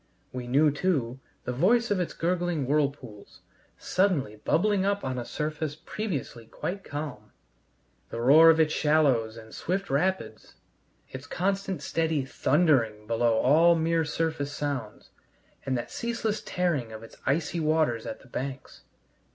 We knew, too, the voice of its gurgling whirlpools, suddenly bubbling up on a surface previously quite calm; the roar of its shallows and swift rapids; its constant steady thundering below all mere surface sounds; and that ceaseless tearing of its icy waters at the banks.